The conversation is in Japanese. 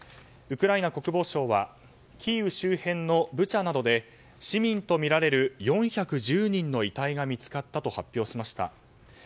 ウクライナ国防省はキーウ周辺のブチャなどで市民とみられる４１０人の遺体が見つかったと発表しました。